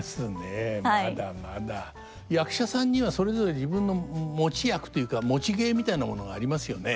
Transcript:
役者さんにはそれぞれ自分の持ち役というか持ち芸みたいなものがありますよね。